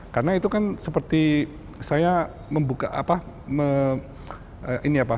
karena itu kan seperti saya membuka apa